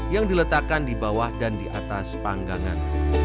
yang diletakkan di bawah dan di atas panggangan